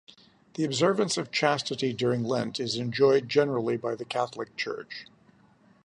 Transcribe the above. The observance of chastity during Lent is enjoined generally by the Catholic church.